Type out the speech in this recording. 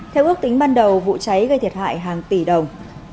theo ước tính ban đầu vụ cháy gây thiệt hại hàng tỷ đồng